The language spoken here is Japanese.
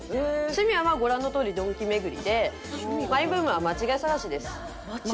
趣味はご覧のとおりドンキ巡りでマイブームは間違い探しです。